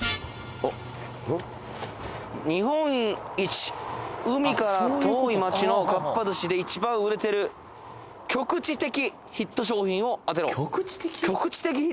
おっ日本一海から遠い街のかっぱ寿司で一番売れてる局地的ヒット商品を当てろ局地的？